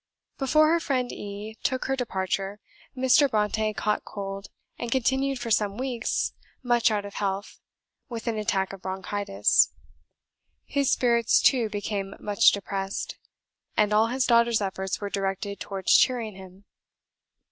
Before her friend E took her departure, Mr. Brontë caught cold, and continued for some weeks much out of health, with an attack of bronchitis. His spirits, too, became much depressed; and all his daughter's efforts were directed towards cheering him.